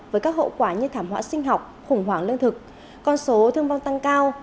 với các hậu quả như thảm họa sinh học khủng hoảng lương thực con số thương vong tăng cao